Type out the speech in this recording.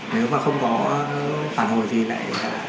nếu mà không có phản hồi thì lại